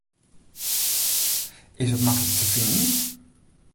Is it maklik te finen?